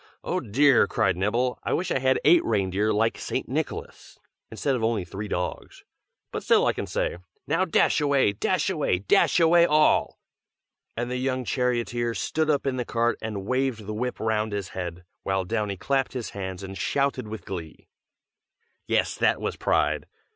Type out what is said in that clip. Oh, dear!" cried Nibble, "I wish I had eight reindeer like St. Nicholas, instead of only three dogs. But still I can say, 'Now dash away, dash away, dash away all!'" and the young charioteer stood up in the cart and waved the whip round his head, while Downy clapped his hands and shouted with glee. Yes, that was pride!